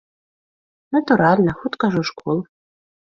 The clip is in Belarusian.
Натуральна, хутка ж у школу!